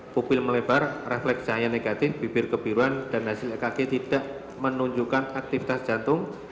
pupil melebar refleks cahaya negatif bibir kebiruan dan hasilnya kaki tidak menunjukkan aktivitas jantung